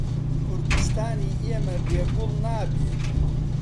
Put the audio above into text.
کوردستانی ئێمە بێ گوڵ نابێ